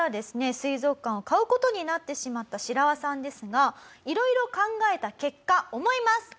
水族館を買う事になってしまったシラワさんですがいろいろ考えた結果思います。